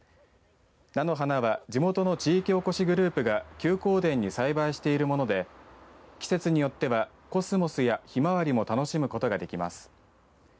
菜の花は地元の地域おこしグループが休耕田に栽培しているもので季節によってはコスモスやひまわりも楽しむことができます。